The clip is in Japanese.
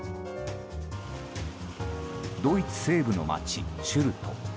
ドイツ西部の町シュルト。